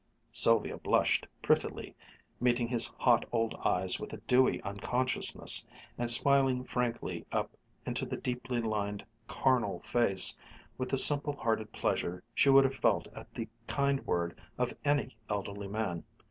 Sylvia blushed prettily, meeting his hot old eyes with a dewy unconsciousness, and smiling frankly up into the deeply lined carnal face with the simple hearted pleasure she would have felt at the kind word of any elderly man.